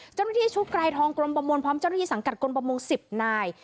เจ้าหน้าที่ชุดกลายทองกรมประมวลพร้อมเจ้าหน้าที่สังกัดกรมประมง๑๐นาย